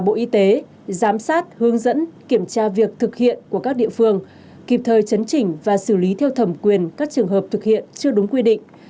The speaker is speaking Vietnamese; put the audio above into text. hai bộ giao thông vận tải và bộ y tế giám sát hướng dẫn kiểm tra việc thực hiện của các địa phương kịp thời chấn chỉnh và xử lý theo thẩm quyền các trường hợp thực hiện chưa đúng quy định